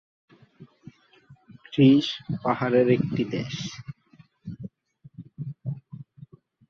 Greece পাহাড়ের একটি দেশ।